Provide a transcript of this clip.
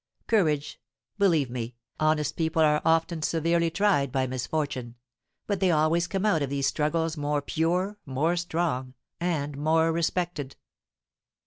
Courage! Believe me, honest people are often severely tried by misfortune, but they always come out of these struggles more pure, more strong, and more respected."